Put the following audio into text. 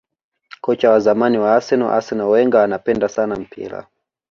kocha wa zamani wa arsenal arsene wenger anapenda sana mpira